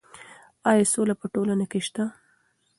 ایا سوله په ټولنه کې شته؟